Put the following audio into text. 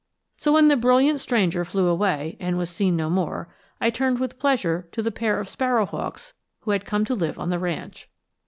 So when the brilliant stranger flew away and was seen no more I turned with pleasure to the pair of sparrow hawks who had come to live on the ranch.